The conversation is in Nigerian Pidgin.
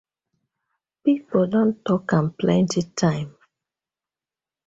Pipu don tok am plenty time.